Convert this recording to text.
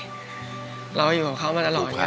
อันดับนี้เป็นแบบนี้